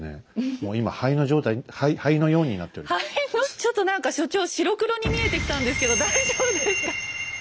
もう今灰の状態灰のちょっと何か所長白黒に見えてきたんですけど大丈夫ですか？